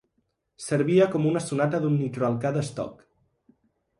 Servia com una sonata d'un nitroalcà d'estoc.